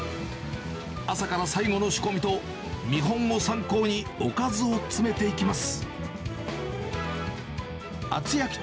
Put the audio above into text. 朝から最後の仕込みと、見本を参考におかずを詰めていきます。